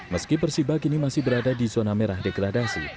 meski persiba kini masih berada di zona merah degradasi